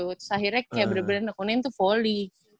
terus akhirnya kayak bener bener di tukwilin tuh volley